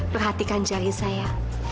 perhatikan jari saya